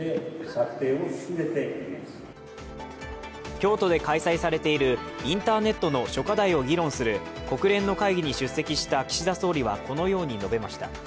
京都で開催されるインターネットの諸課題を議論する国連の会議に出席した岸田総理はこのように述べました。